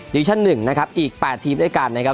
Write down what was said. ดิวิชั่น๑นะครับอีก๘ทีมด้วยกันนะครับ